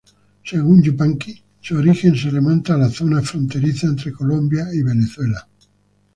Según Yupanqui, su origen se remonta a la zona fronteriza entre Colombia y Venezuela.